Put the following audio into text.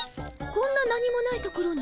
こんな何もない所に？